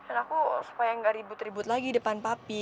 dan aku supaya nggak ribut ribut lagi depan papi